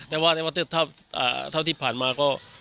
แตนว่าพอที่ผ่านมาก็